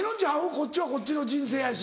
こっちはこっちの人生やし。